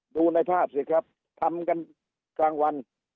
ดูในภาพสิครับทำกันกลางวัน